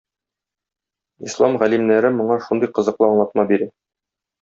Ислам галимнәре моңа шундый кызыклы аңлатма бирә.